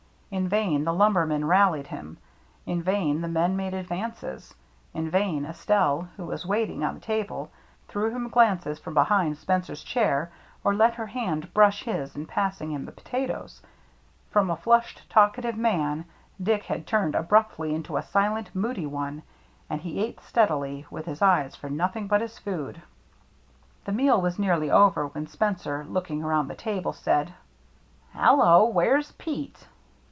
In vain the lumberman rallied him; in vain the men THE CIRCLE MARK 105 made advances ; in vain Estelle, who was wait ing on table, threw him glances from behind Spencer's chair or let her hand brush his in passing him the potatoes; from a flushed, talkative man, Dick had turned abruptly into a silent, moody one, and he ate steadily, with eyes for nothing but his food. The meal was nearly over when Spencer, looking around the table, said, " Hello, where's Pete?"